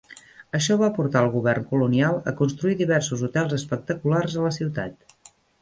Això va portar el govern colonial a construir diversos hotels espectaculars a la ciutat.